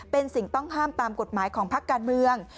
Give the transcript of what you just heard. เป็นสิ่งต้องห้ามตามกฎหมายของพักการเมือง